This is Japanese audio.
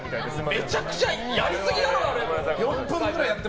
めちゃくちゃ、やりすぎだろ！